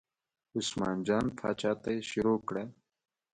عثمان جان پاچا ته یې شروع کړه.